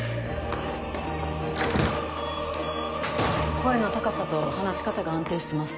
声の高さと話し方が安定してます。